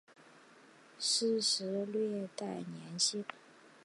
湿时略带黏性。